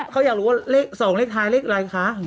เขาอยากรู้ว่าเลข๒เลขท้ายเลขอะไรคะ